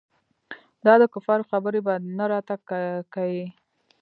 دا دکفارو خبرې به نه راته کيې.